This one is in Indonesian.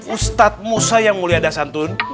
ustadz musa yang mulia dasantun